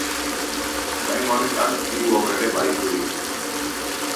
Oraingo honetan hiru haur ere bahitu ditu.